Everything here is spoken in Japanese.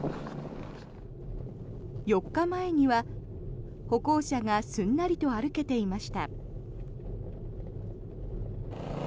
４日前には歩行者がすんなりと歩けていました。